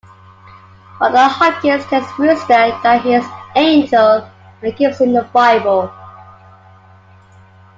Mother Hopkins tells Rooster that he is an angel and gives him a bible.